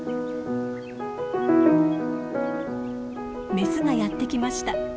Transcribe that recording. メスがやって来ました。